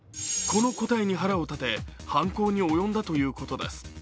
この答えに腹を立て犯行に及んだということです。